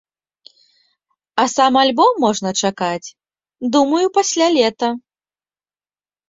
А сам альбом можна чакаць, думаю, пасля лета.